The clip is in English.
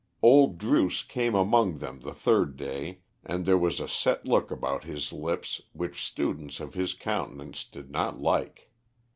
Old Druce came among them the third day, and there was a set look about his lips which students of his countenance did not like.